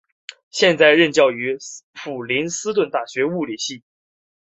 现在任教于普林斯顿大学物理系。